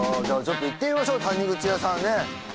じゃあちょっと行ってみましょう谷口屋さんね。